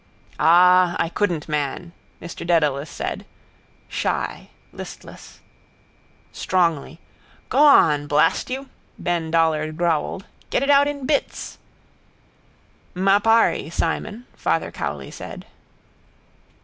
—Ah, I couldn't, man, Mr Dedalus said, shy, listless. Strongly. —Go on, blast you! Ben Dollard growled. Get it out in bits. —M'appari, Simon, Father Cowley said.